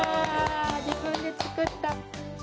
自分で作った！